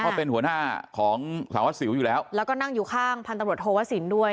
เขาเป็นหัวหน้าของสารวัสสิวอยู่แล้วแล้วก็นั่งอยู่ข้างพันตำรวจโทวสินด้วย